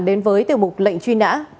đến với tiêu mục lệnh truy nã